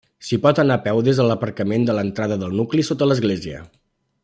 S'hi pot anar a peu des de l'aparcament de l'entrada del nucli, sota l'església.